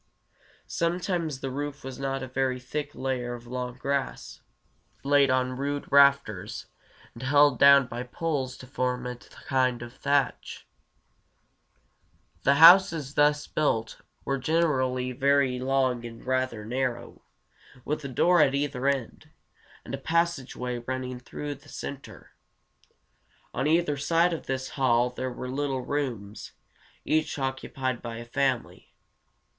Sometimes the roof was a very thick layer of long grass, laid on rude rafters, and held down by poles to form a kind of thatch. [Illustration: A Long House.] The houses thus built were generally very long and rather narrow, with a door at either end, and a passageway running through the center. On either side of this hall there were little rooms, each occupied by a family.